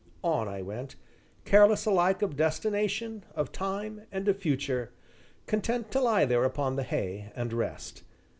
On I went, careless alike of destination, of time, and of future, content to lie there upon the hay, and rest.